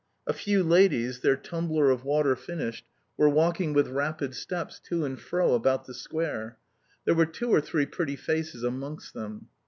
A few ladies, their tumbler of water finished, were walking with rapid steps to and fro about the square. There were two or three pretty faces amongst them.